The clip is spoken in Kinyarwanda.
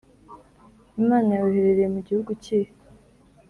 Imana yawe uherereye mu gihugu kihe